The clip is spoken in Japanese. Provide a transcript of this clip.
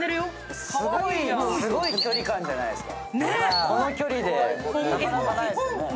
すごい距離感じゃないですか。